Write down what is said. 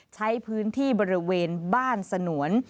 ใช้พื้นที่บริเวณบ้านสนวน